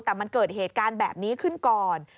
แต่มันเกิดเหตุการณ์แบบนี้ขึ้นก่อน